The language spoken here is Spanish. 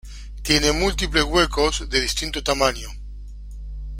Tiene múltiples huecos de distinto tamaño.